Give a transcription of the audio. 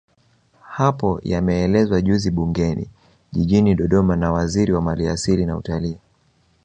Hayo yameelezwa juzi bungeni Jijini Dodoma na Waziri wa Maliasili na Utalii